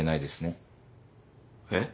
えっ？